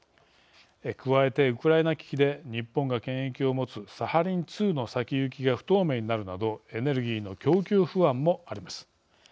加えて、ウクライナ危機で日本が権益を持つサハリン２の先行きが不透明になるなどエネルギーの供給不安もあります。